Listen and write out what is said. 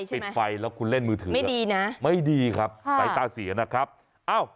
ปิดไฟใช่ไหมไม่ดีนะไม่ดีครับใส่ตาเสียนะครับปิดไฟแล้วคุณเล่นมือถือ